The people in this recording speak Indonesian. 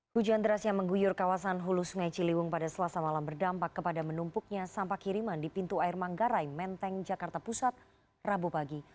hujan deras yang mengguyur kawasan hulu sungai ciliwung pada selasa malam berdampak kepada menumpuknya sampah kiriman di pintu air manggarai menteng jakarta pusat rabu pagi